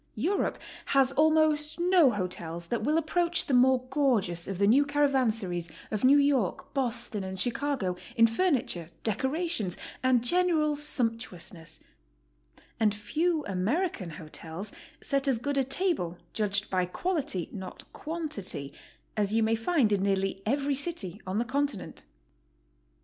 Europe has almost no hotels that will approach the more gorgeous of the new caravanseries o f New York, Boston, and Chicago in furniture, decorations, and general sumptu ousness; and few American hotels set as goo d a table, judged by quality, not quantity, as you may find in nearly every city on the Continent.